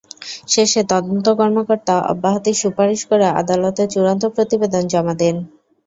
শেষে তদন্ত কর্মকর্তা অব্যাহতির সুপারিশ করে আদালতে চূড়ান্ত প্রতিবেদন জমা দেন।